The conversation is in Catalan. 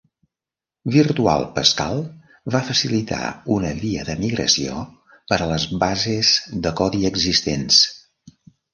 Virtual Pascal va facilitar una via de migració per a les bases de codi existents.